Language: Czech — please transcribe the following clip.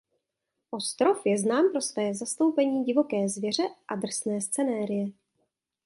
Ostrov je znám pro své zastoupení divoké zvěře a drsné scenérie.